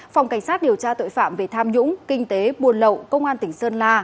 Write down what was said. phòng cảnh sát điều tra tội phạm về tham nhũng kinh tế buồn lậu công an tỉnh sơn la